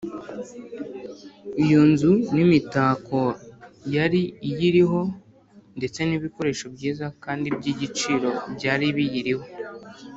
iyo nzu n’imitako yari iyiriho ndetse n’ibikoresho byiza kandi by’igiciro byari biyirimo